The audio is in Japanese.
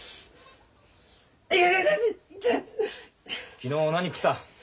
昨日何食った？